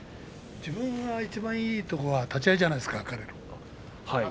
自分がいいところは立ち合いじゃないですか、彼の。